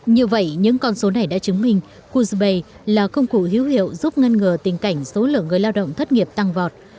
như vậy những con số này đã chứng minh cujabay là công cụ hiếu hiệu giúp ngăn ngờ tình cảnh số lượng người lao động thất nghiệp tăng vọt